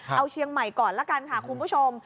เอาเชียงใหม่ก่อนละกันค่ะคุณผู้ชม